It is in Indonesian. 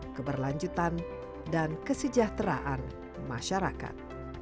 keberlanjutan dan kesejahteraan masyarakat